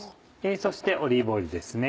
そしてオリーブオイルですね。